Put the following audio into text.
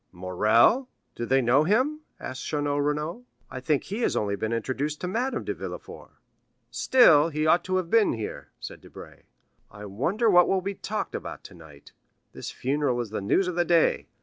"Morrel? Do they know him?" asked Château Renaud. "I think he has only been introduced to Madame de Villefort." "Still, he ought to have been here," said Debray; "I wonder what will be talked about tonight; this funeral is the news of the day.